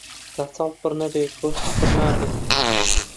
تا چاڵ پڕ نەبێ کۆش پڕ نابێ